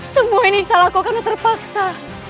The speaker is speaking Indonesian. semua ini salahku karena terpaksa